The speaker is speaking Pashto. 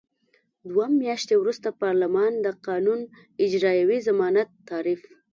دوه میاشتې وروسته پارلمان د قانون اجرايوي ضمانت تعریف.